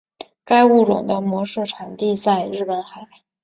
该物种的模式产地在日本海。